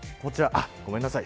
ごめんなさい。